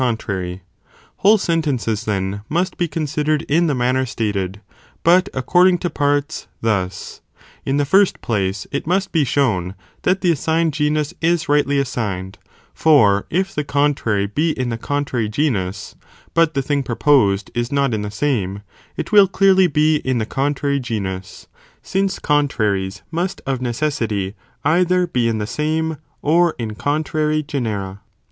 507 contrary ;' whole sentences then, must be considered in the manner stated, but according to parts, thus." In the first place, (it must be shown) that the assigned genus is rightly assigned, for if the contrary be in the contrary genus, but the thing proposed is not in the same, it will clearly be in the contrary (genus), since contraries must of necessity either be in the same, or in contrary genera.